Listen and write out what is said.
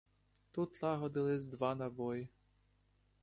Тут лагодились два на бой;